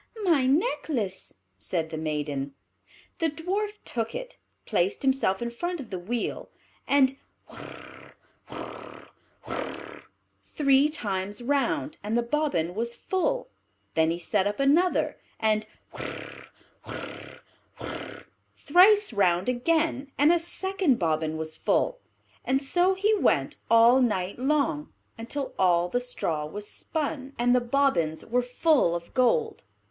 "My necklace," said the maiden. The Dwarf took it, placed himself in front of the wheel, and whirr, whirr, whirr, three times round, and the bobbin was full. Then he set up another, and whir, whir, whir, thrice round again, and a second bobbin was full; and so he went all night long, until all the straw was spun, and the bobbins were full of gold.